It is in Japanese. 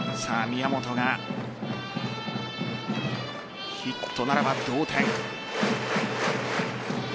宮本がヒットならば同点。